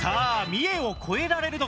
三重を超えられるのか？